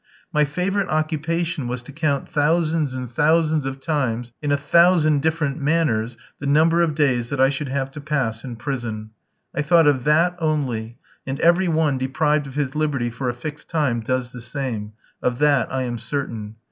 My favourite occupation was to count thousands and thousands of times in a thousand different manners the number of days that I should have to pass in prison. I thought of that only, and every one deprived of his liberty for a fixed time does the same; of that I am certain.